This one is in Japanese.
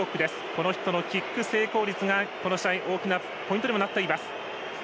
この人のキック成功率がこの試合大きなポイントにもなっています。